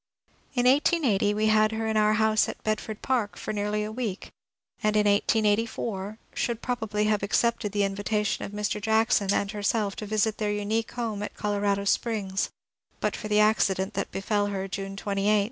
In 1880 we had her in our house at Bedford Park for nearly a week, and in 1884 should probably have accepted the invitation of Mr. Jack son and herself to visit their unique home at Colorado Springs but for the accident that befell her (June fi8).